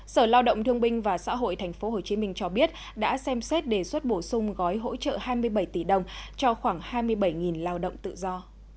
sở lao động thương binh và xã hội tp hcm cho biết đã xem xét đề xuất bổ sung gói hỗ trợ hai mươi bảy tỷ đồng cho khoảng hai mươi bảy lao động tự do